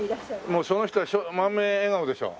もうその人は満面笑顔でしょ？